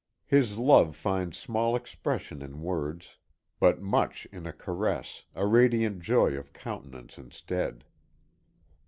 His love finds small expression in words, but much in a caress, a radiant joy of countenance instead.